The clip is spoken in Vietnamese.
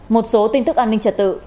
một số tin tức an ninh trật tự